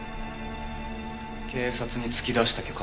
警察に突き出したきゃ